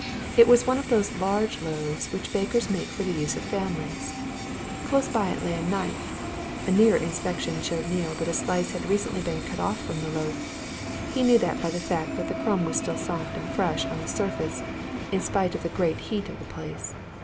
It was one of those large loaves which bakers make for the use of families. Close by it lay a knife: a nearer inspection showed Neale that a slice had recently been cut from the loaf: he knew that by the fact that the crumb was still soft and fresh on the surface, in spite of the great heat of the place.